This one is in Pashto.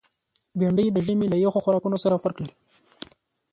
بېنډۍ د ژمي له یخو خوراکونو سره فرق لري